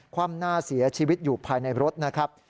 คว่ำหน้าเสียชีวิตอยู่ภายในรถนะครับ